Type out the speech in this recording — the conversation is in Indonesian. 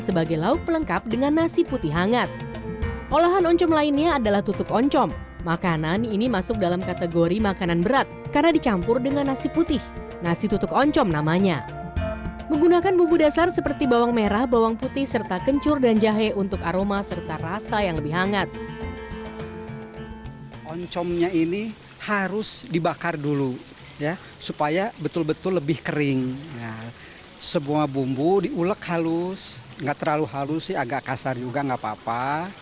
sebuah bumbu diulek halus nggak terlalu halus sih agak kasar juga nggak apa apa